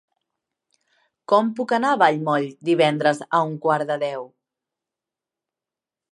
Com puc anar a Vallmoll divendres a un quart de deu?